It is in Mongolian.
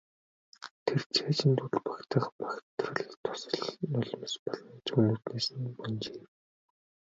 Тэр цээжинд үл багтах багтрал дусал нулимс болон зүүн нүднээс нь бөнжийв.